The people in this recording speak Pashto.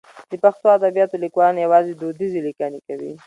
د پښتو ادبیاتو لیکوالان یوازې دودیزې لیکنې کوي.